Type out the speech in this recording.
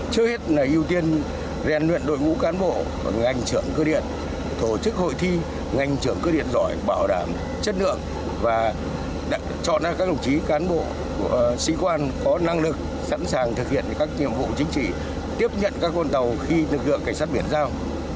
trước hết là ưu tiên rèn luyện đội ngũ cán bộ ngành trưởng cơ điện tổ chức hội thi ngành trưởng cơ điện giỏi bảo đảm chất lượng và chọn ra các đồng chí cán bộ sĩ quan có năng lực sẵn sàng thực hiện các nhiệm vụ chính trị tiếp nhận các con tàu khi lực lượng cảnh sát biển giao